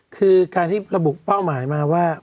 คือการที่ระบุเป้าหมายมาว่า